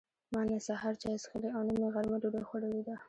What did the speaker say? ما نه سهار چای څښلي او نه مې غرمه ډوډۍ خوړلې ده.